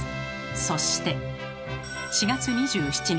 そして４月２７日